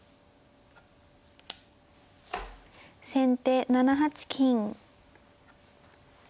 先手７八金。